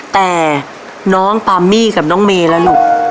แต่น้องปามมี่กับน้องเมย์ล่ะลูก